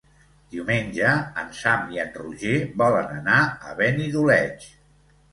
Diumenge en Sam i en Roger volen anar a Benidoleig.